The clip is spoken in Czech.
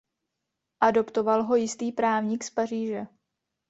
Adoptoval ho jistý právník z Paříže.